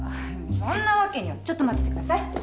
そんなわけにはちょっと待っててください。